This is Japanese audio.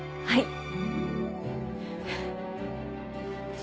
はい。